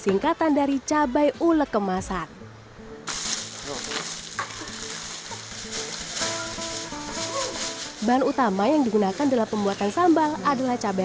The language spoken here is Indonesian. singkatan dari cabai ulek kemasan bahan utama yang digunakan dalam pembuatan sambal adalah cabai